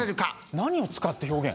何を使って表現？